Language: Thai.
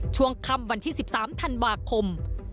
ช่วงค่ำวันที่๑๓ธันวาคม